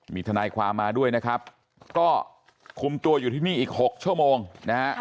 มีทนายความมาด้วยนะครับก็คุมตัวอยู่ที่นี่อีก๖ชั่วโมงนะฮะ